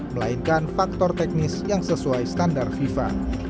melainkan faktor teknis yang sesuai standar fifa